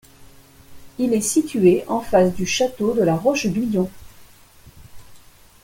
Il est situé en face du château de la Roche-Guyon.